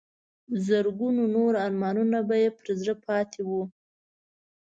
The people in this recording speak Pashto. زرګونو نور ارمانونه به یې پر زړه پاتې وو.